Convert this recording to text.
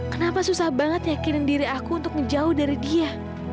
kenapa susah banget yakinin diri aku untuk menjauh dari dia